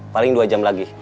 paling dua jam lagi